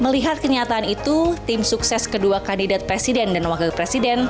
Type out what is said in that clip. melihat kenyataan itu tim sukses kedua kandidat presiden dan wakil presiden